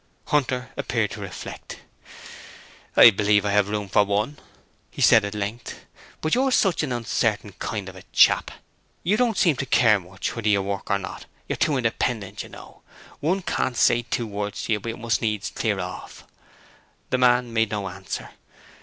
Hunter appeared to reflect. 'I believe I have room for one,' he said at length. 'But you're such an uncertain kind of chap. You don't seem to care much whether you work or not. You're too independent, you know; one can't say two words to you but you must needs clear off.' The man made no answer.